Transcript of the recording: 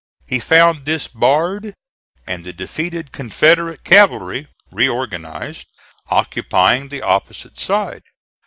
He found this barred, and the defeated Confederate cavalry, reorganized, occupying the opposite side.